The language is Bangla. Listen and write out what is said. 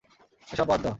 এসব বাদ দাও!